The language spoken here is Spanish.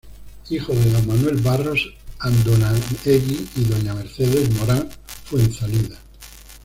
Hijo de don Manuel Barros Andonaegui y doña Mercedes Morán Fuenzalida.